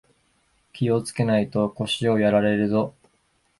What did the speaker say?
気をつけないと腰やられるぞ